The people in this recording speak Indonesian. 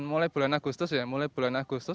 mulai bulan agustus ya mulai bulan agustus